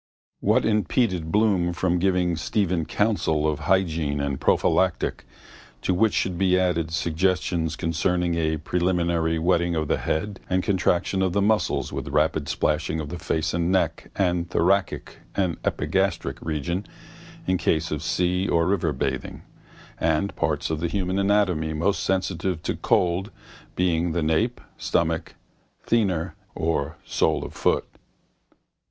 What impeded Bloom from giving Stephen counsels of hygiene and prophylactic to which should be added suggestions concerning a preliminary wetting of the head and contraction of the muscles with rapid splashing of the face and neck and thoracic and epigastric region in case of sea or river bathing, the parts of the human anatomy most sensitive to cold being the nape, stomach and thenar or sole of foot?